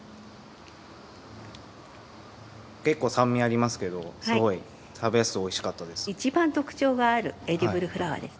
結構酸味ありますけどすごい食べやすくておいしかったです。